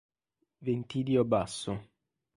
Ventidio Basso